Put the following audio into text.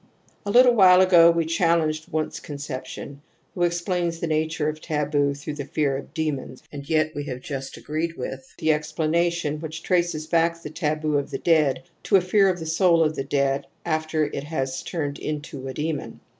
A little while ago we challenged Wundt's con ception, who explains the nature of taboo through the fear of demons, and yet we have just agreed with the explanation which traces back the taboo of the dead to a fear of the soul of the dead after it has turned into a demon.